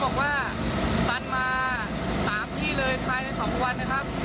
ก็บอกว่าตันมาสามที่เลยใครในสองวันนะครับ